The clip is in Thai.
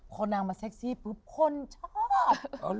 พอนางมาเซ็กซี่ปุ๊บคนชอบ